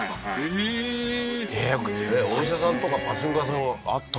へえーお医者さんとかパチンコ屋さんがあったんだ？